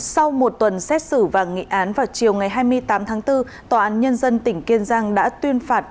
sau một tuần xét xử và nghị án vào chiều ngày hai mươi tám tháng bốn tòa án nhân dân tỉnh kiên giang đã tuyên phạt